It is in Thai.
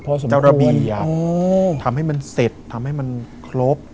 พอสมควรเจ้าระบีอ่ะอ๋อทำให้มันเสร็จทำให้มันครบ